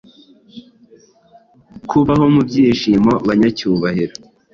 Kubaho mu byishimobanyacyubahiro